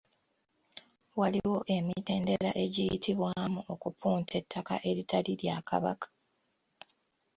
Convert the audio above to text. Waliwo emitendera egiyitibwamu okupunta ettaka eritali lya Kabaka.